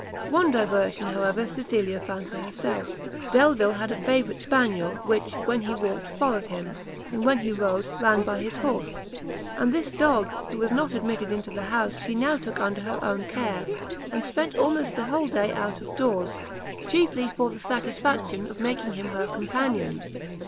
One diversion, however, Cecilia found for herself; Delvile had a favourite spaniel, which, when he walked followed him, and when he rode, ran by his horse; this dog, who was not admitted into the house, she now took under her own care; and spent almost the whole day out of doors, chiefly for the satisfaction of making him her companion.